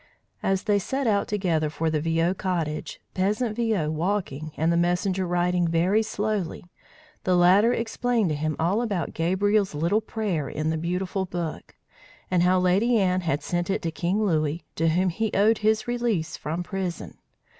As they set out together for the Viaud cottage, peasant Viaud walking, and the messenger riding very slowly, the latter explained to him all about Gabriel's little prayer in the beautiful book, and how Lady Anne had sent it to King Louis, to whom he owed his release from prison.